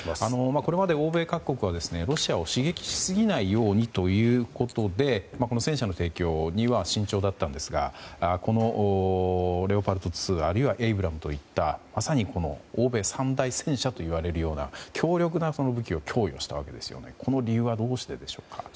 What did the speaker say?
これまで欧米各国はロシアを刺激しすぎないようにということで戦車の提供には慎重だったんですがレオパルト２あるいはエイブラムスといったまさに欧米三大戦車といわれるような強力な武器を供与したこの理由はどうしてでしょうか。